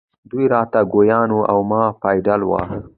دی را ته ګویان و او ما پایډل واهه.